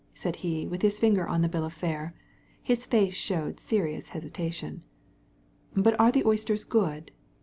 he said, keeping his finger on the bill of fare. And his face expressed serious hesitation. "Are the oysters good?